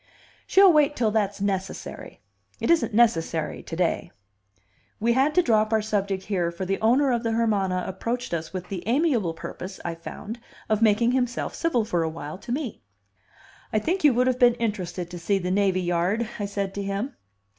"She'll wait till that's necessary. It isn't necessary to day." We had to drop our subject here, for the owner of the Hermana approached us with the amiable purpose, I found, of making himself civil for a while to me. "I think you would have been interested to see the navy yard," I said to him.